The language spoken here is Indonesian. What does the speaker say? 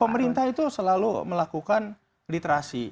pemerintah itu selalu melakukan literasi